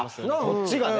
こっちがね。